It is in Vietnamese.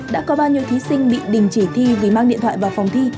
đã có bao nhiêu thí sinh bị đình chỉ thi vì mang điện thoại vào phòng thi